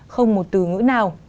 không một từ ngữ nào